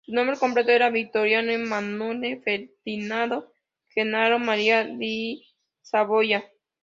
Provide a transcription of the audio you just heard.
Su nombre completo era "Vittorio Emanuele Ferdinando Gennaro Maria di Savoia".